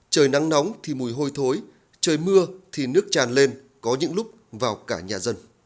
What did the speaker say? trời mưa thì nước tràn lên có những lúc vào cả nhà dân